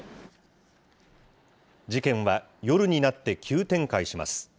事件は夜になって急展開します。